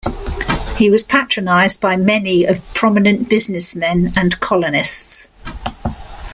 He was patronised by many of prominent businessmen and colonists.